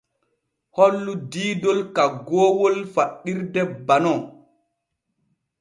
Hollu diidol kaggoowol faɗɗirde banon.